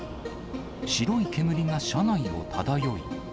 白い煙が車内を漂い。